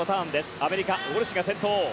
アメリカ、ウォルシュが先頭。